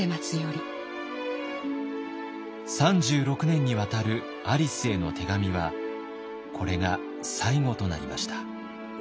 ３６年にわたるアリスへの手紙はこれが最後となりました。